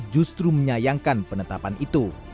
justru menyayangkan penetapan itu